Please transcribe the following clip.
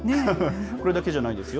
これだけじゃないですよ。